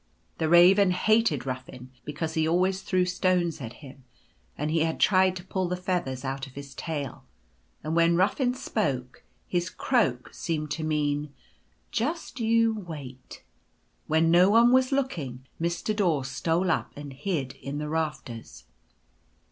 The Raven hated Ruffin because he always threw stones at him, and he had tried to pull the feathers out of his tail, and when Ruffin spoke, his croak seemed to mean, " Just you wait." When no one was looking Mr. Daw stole up and hid in the rafters.